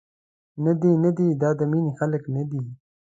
ندي، ندي دا د مینې خلک ندي.